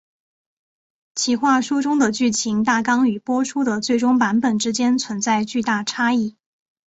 企划书中的剧情大纲与播出的最终版本之间存在巨大差异。